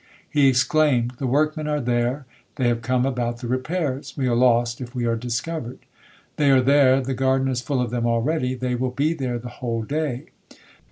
He exclaimed, 'The workmen are there, they have come about the repairs, we are lost if we are discovered. They are there, the garden is full of them already, they will be there the whole day.